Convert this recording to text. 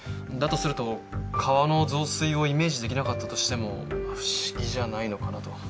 だとすると川の増水をイメージできなかったとしても不思議じゃないのかなと。